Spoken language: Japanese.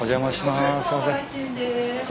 すいません。